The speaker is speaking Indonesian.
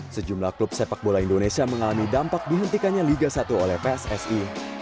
sejumlah klub sepak bola indonesia mengalami dampak dihentikannya liga satu oleh pssi